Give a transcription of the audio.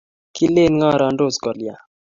kelen ngarandos kolya?